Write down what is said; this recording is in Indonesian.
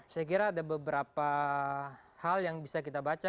saya kira ada beberapa hal yang bisa kita baca